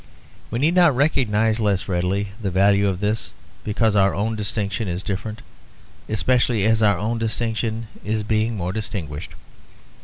We need not recognise less readily the value of this because our own distinction is different; especially as our own distinction is being more distinguished.